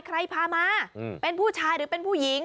ใครพามาเป็นผู้ชายหรือเป็นผู้หญิง